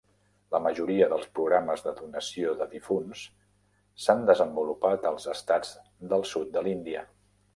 La majoria dels programes de donació de difunts s'han desenvolupat als estats del sud de l'Índia.